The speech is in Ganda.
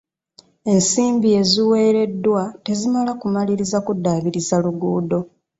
Ensimbi eziweereddwa tezimala kumaliriza kuddaabiriza luguudo.